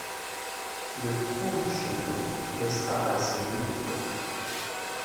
le trou du chéneau laissera passer l'eau du toit